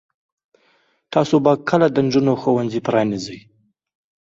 تاسو به کله د نجونو ښوونځي پرانیزئ؟